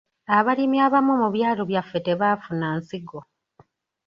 Abalimi abamu mu byalo byaffe tebaafuna nsigo.